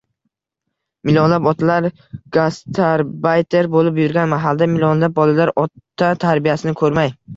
Millionlab otalar gastarbayter bo‘lib yurgan mahalda millionlab bolalar ota tarbiyasini ko‘rmay